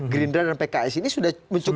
gerindra dan pks ini sudah mencoba